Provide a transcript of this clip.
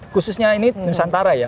khususnya ini nusantara ya